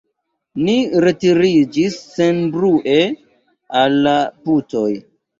Ni retiriĝis senbrue al la putoj.